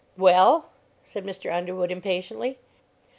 "Well?" said Mr. Underwood, impatiently.